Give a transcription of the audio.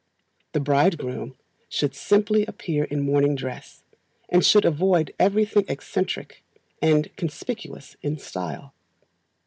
The bridegroom should simply appear in morning dress, and should avoid everything eccentric and conspicuous in style.